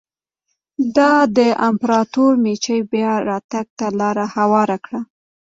دا د امپراتور مېجي بیا راتګ ته لار هواره کړه.